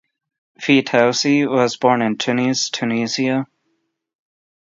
Fitoussi was born in Tunis, Tunisia.